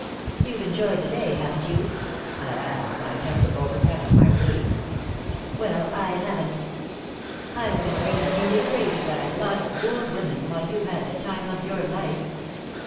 "You've enjoyed the day, haven't you?" I asked, my temper overcoming my prudence. "Well, I haven't. I've been driven nearly crazy by a lot of fool women, while you've had the time of your life."